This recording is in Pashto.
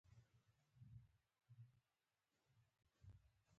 هېڅوک هم پر بدبختي محکوم نه دي.